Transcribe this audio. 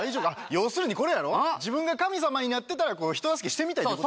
要するにこれやろ自分が神様になってたら人助けしてみたいってこと？